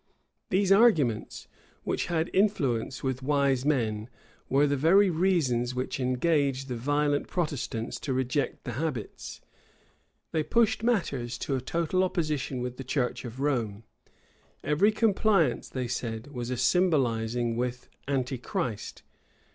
These arguments, which had influence with wise men, were the very reasons which engaged the violent Protestants to reject the habits. They pushed matters to a total opposition with the church of Rome; every compliance, they said, was a symbolizing with Antichrist.